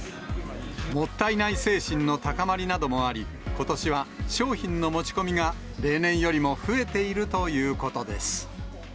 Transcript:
もったいない精神の高まりなどもあり、ことしは商品の持ち込みが例年よりも増えているということです。